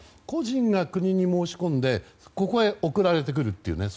個人が国に申し込んでここへ送られてくるという。